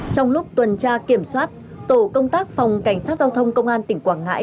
trong lúc tuần tra kiểm soát tổ công tác phòng cảnh sát giao thông công an tỉnh quảng ngãi